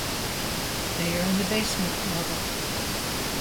They are in the basement level.